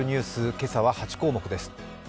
今朝は８項目です。